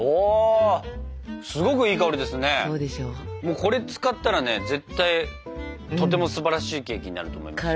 これ使ったらね絶対とてもすばらしいケーキになると思いますよ。